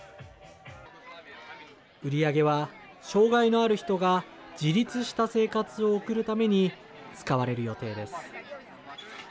売り上げは障害のある人が自立した生活を送るために使われる予定です。